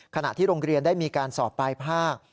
ขณะที่โรงเรียนได้มีการสอบปลายภาค